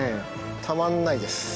たまんないです。